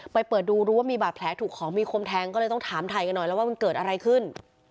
เปิดดูรู้ว่ามีบาดแผลถูกของมีคมแทงก็เลยต้องถามไทยกันหน่อยแล้วว่ามันเกิดอะไรขึ้น